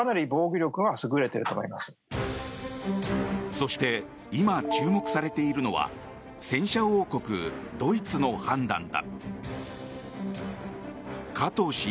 そして今、注目されているのは戦車王国ドイツの判断だ。